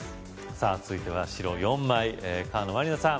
さぁ続いては白４枚河野万里奈さん